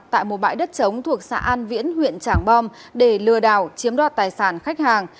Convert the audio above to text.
tại một bãi đất trống thuộc xã an viễn huyện trảng bom để lừa đảo chiếm đoạt tài sản khách hàng